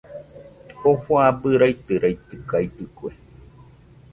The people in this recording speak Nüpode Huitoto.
Jofo abɨ raitɨraitɨkaɨdɨkue.